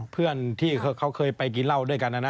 เพื่อนที่เขาเคยไปกินเหล้าด้วยกันนะนะ